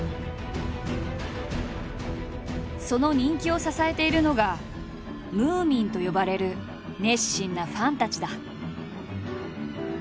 その人気を支えているのが「ムー民」と呼ばれる熱心なファンたちだ。